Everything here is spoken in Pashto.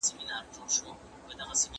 پټو تلکو او دامونو باندی مه غولیږئ، تر څو له